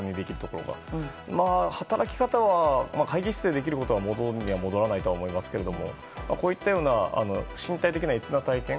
働き方は会議室でできることは戻らないと思いますがこういったような身体的な悦な体験